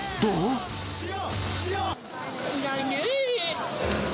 いないねー。